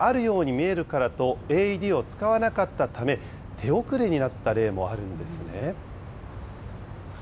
呼吸があるように見えるからと、ＡＥＤを使わなかったため、手遅れになった例もあるんですね。